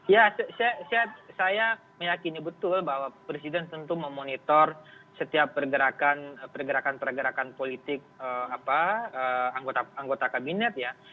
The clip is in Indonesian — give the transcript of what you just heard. ya saya meyakini betul bahwa presiden tentu memonitor setiap pergerakan pergerakan politik anggota kabinet ya